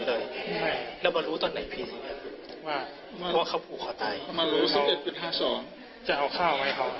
อ๋อก็เลยมาเห็น